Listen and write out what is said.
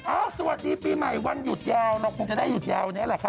อ้าวทำไมคุณมาปิดรายการด้วยอะไรนี่